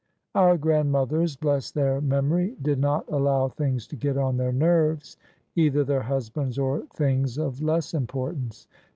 Our grandmothers — ^bless their memory! — did not allow things to get on their nerves— either their husbands or things of less importance.